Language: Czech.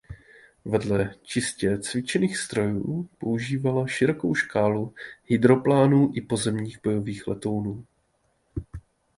Vedle čistě cvičných strojů používala širokou škálu hydroplánů i pozemních bojových letounů.